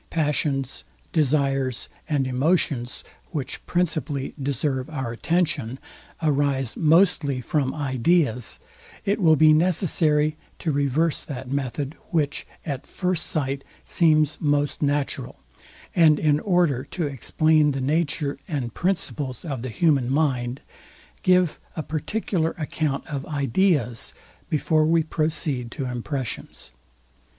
passions, desires, and emotions, which principally deserve our attention, arise mostly from ideas, it will be necessary to reverse that method, which at first sight seems most natural; and in order to explain the nature and principles of the human mind, give a particular account of ideas, before we proceed to impressions.